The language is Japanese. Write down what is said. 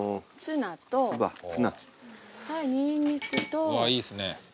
うわいいですね。